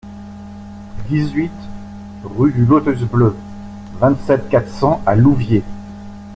dix-huit rue du Lotus Bleu, vingt-sept, quatre cents à Louviers